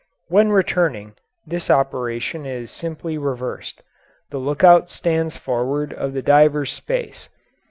When returning, this operation is simply reversed. The lookout stands forward of the diver's space.